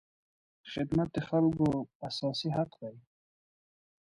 خدمت د خلکو اساسي حق دی.